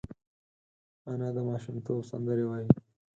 انا د ماشومتوب سندرې وايي